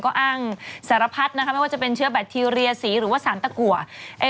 ก็อ้างสารพัดนะคะไม่ว่าจะเป็นเชื้อแบคทีเรียสีหรือว่าสารตะกัว